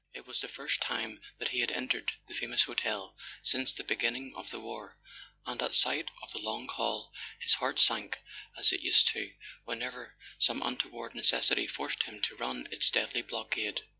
It was the first time that he had entered the famous hotel since the beginning of the war; and at sight of the long hall his heart sank as it used to whenever some untoward necessity forced him to run its deadly blockade.